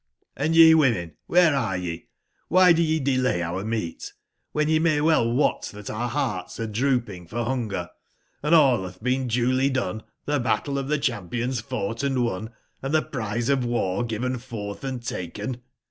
Hndyewomen, wbereareye, wbydoyedelay our meat, wben ye may well wot tbat our bearts are drooping for bunger ; and all batb been duly done, tbe battle of tbe cbampions fougbt and won, and tbe prize of war given fortb and taken